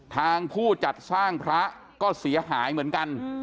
ทางผู้จัดสร้างพระก็เสียหายเหมือนกัน